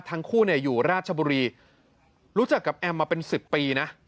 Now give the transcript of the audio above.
ทั้งคู่เนี่ยอยู่ราชบุรีรู้จักกับแอมมาเป็น๑๐ปีนะ